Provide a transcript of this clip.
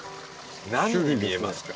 何に見えますか？